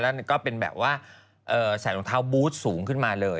แล้วก็เป็นแบบว่าใส่รองเท้าบูธสูงขึ้นมาเลย